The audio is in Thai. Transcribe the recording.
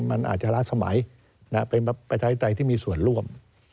มันอาจจะล้าสมัยเป็นประชาธิปไตยที่มีส่วนร่วม